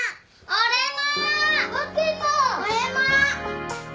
俺も！